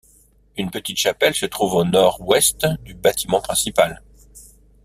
Une petite chapelle se trouve au nord-ouest du bâtiment principal.